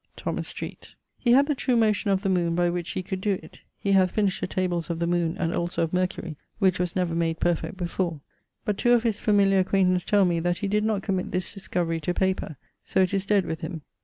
'THOMAS STREETE.' He had the true motion of the moon by which he could doe it (he hath finished the tables of the moon and also of Mercury, which was never made perfect before) but two of his familiar acquaintance tell me that he did not committ this discovery to paper: so it is dead with him.